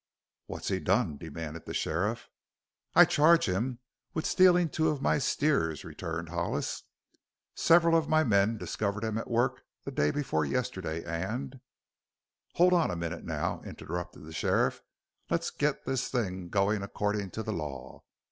"What's he done?" demanded the sheriff. "I charge him with stealing two of my steers," returned Hollis. "Several of my men discovered him at work the day before yesterday and " "Hold on a minute now!" interrupted the sheriff. "Let's git this thing goin' accordin' to the law."